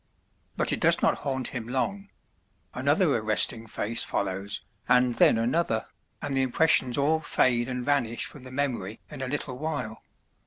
But it does not haunt him long; another arresting face follows, and then another, and the impressions all fade and vanish from the memory in a little while.